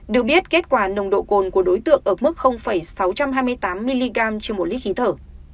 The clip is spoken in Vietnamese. được biết kết quả nồng độ cồn của đối tượng ở mức sáu trăm hai mươi tám mg trên một lít khí thở